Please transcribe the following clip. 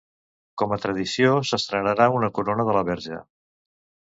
Com a tradició s'estrenarà una corona de la Verge.